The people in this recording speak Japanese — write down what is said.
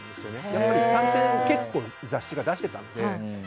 やっぱり短編を結構、雑誌が出していたので。